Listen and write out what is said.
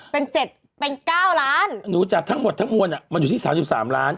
เป็น๗เป็น๙ล้านหนูจ๋าทั้งหมดทั้งมวลอะมันอยู่ที่๓๓ล้าน